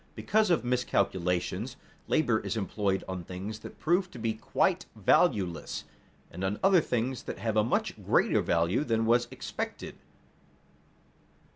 Because of miscalculations, labor is employed on things that prove to be quite valueless, and on other things that have a much greater value than was expected.